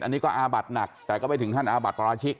อันนี้ก็อาบัดหนักแต่ก็ไม่ถึงขั้นอาบัติปราชิก